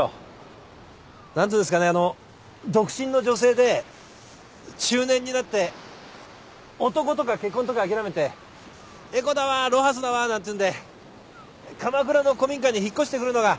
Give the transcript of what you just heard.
独身の女性で中年になって男とか結婚とか諦めてエコだわロハスだわなんていうんで鎌倉の古民家に引っ越してくるのが。